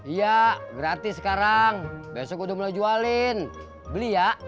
iya gratis sekarang besok udah mulai jualin beli ya